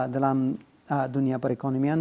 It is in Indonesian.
dalam dunia perekonomian